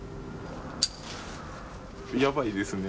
やばいですね。